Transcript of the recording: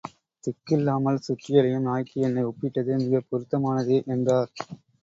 திக்கில்லாமல் சுற்றியலையும் நாய்க்கு என்னை ஒப்பிட்டது மிகப் பொருத்தமானானதே என்றார்.